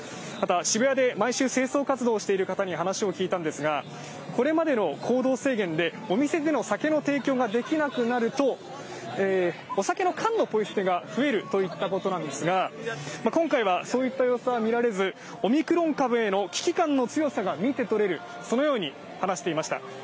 また渋谷で毎週清掃活動している人に話を聞いたんですが、これまでの行動制限でお店での酒の提供ができなくなると、お酒の缶のポイ捨てが増えるといったことなんですが、今回はそういった様子は見られず、オミクロン株への危機感の強さが見て取れる、そのように話していました。